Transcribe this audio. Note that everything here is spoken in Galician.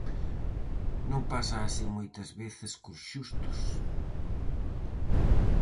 Non pasa así moitas veces cos xustos?